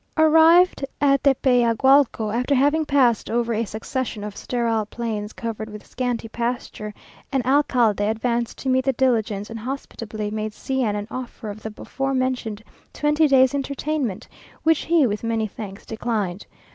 Arrived at Tepeyagualco, after having passed over a succession of sterile plains covered with scanty pasture, an alcalde advanced to meet the diligence, and hospitably made C n an offer of the before mentioned twenty days' entertainment, which he with many thanks declined.